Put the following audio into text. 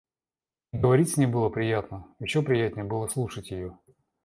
И говорить с ней было приятно, еще приятнее было слушать ее.